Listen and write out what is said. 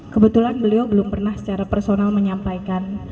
kebetulan beliau belum pernah secara personal menyampaikan